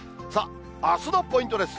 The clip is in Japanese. あすのポイントです。